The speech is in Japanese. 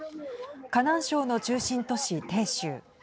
河南省の中心都市、鄭州。